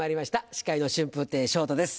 司会の春風亭昇太です